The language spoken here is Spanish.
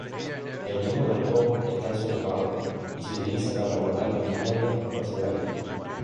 El viejo galpón está desocupado y se utiliza para guardar maquinarias o hacer bailes.